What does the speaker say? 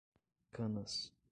Canas